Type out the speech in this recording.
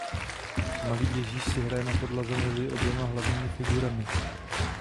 Malý Ježíš si hraje na podlaze mezi oběma hlavními figurami.